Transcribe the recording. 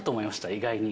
意外に。